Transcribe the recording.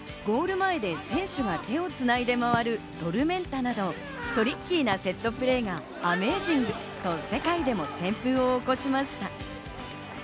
ゴール前で選手が手をつないで回るトルメンタなど、トリッキーなセットプレーがＡｍａｚｉｎｇ！と世界でも旋風を起こしました。